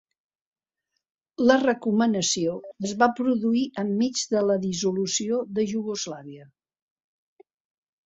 La recomanació es va produir enmig de la Dissolució de Iugoslàvia.